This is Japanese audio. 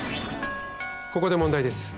ここで問題です。